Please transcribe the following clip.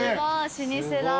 老舗だ。